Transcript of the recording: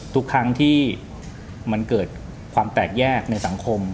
ทุกครั้งที่มันเกิดความแตกแยกในสังคม